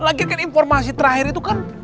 lagikan informasi terakhir itu kan